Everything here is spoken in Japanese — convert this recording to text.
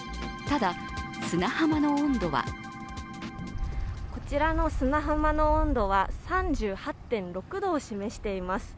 ただ、砂浜の温度はこちらの砂浜の温度は３８．６度を示しています。